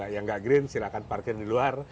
yang nggak green silakan parkir di luar